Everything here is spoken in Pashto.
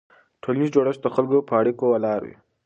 ټولنیز جوړښت د خلکو په اړیکو ولاړ وي.